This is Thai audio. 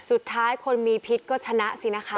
สุดท้ายคนมีพิษก็ชนะสินะคะ